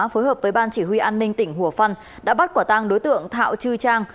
phối hợp với ban chỉ huy an ninh tỉnh hủa phan đã bắt quả tăng đối tượng thạo trư trang